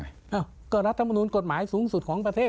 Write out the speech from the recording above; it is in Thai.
อ้าวก็รัฐมนุนกฎหมายสูงสุดของประเทศ